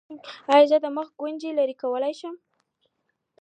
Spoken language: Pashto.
ایا زه د مخ ګونځې لرې کولی شم؟